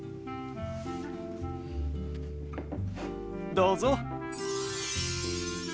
どうぞ。